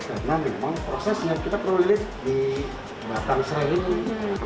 karena memang prosesnya kita perlu lilit di batang serai ini